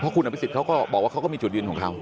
เพราะคุณอุณหภิสิทธิ์เค้าก็บอกว่าเค้าก็มีจุดยืนของเค้า